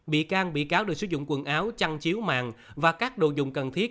bị can bị cáo được sử dụng quần áo chăn chiếu màng và các đồ dùng cần thiết